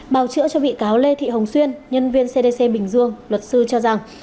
bào chữa cho bị cáo lê thị hồng xuyên nhân viên cdc bình dương luật sư cho rằng